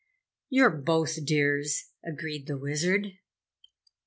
"You're both dears!" agreed the Wizard.